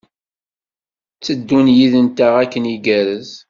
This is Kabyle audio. Tteddun yid-nteɣ akken igerrez.